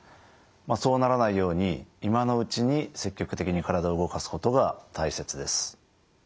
そうならないように今のうちに積極的に体を動かすことが大切です。